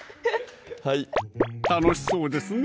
楽しそうですね